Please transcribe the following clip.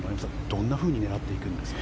どんなふうに狙っていくんですか？